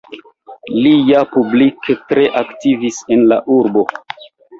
Li ja publike tre aktivis en la urbo.